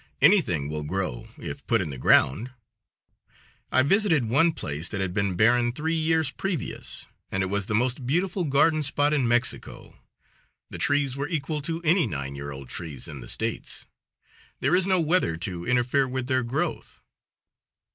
Anything will grow if put in the ground. I visited one place that had been barren three years previous, and it was the most beautiful garden spot in Mexico. The trees were equal to any nine year old trees in the States. There is no weather to interfere with their growth.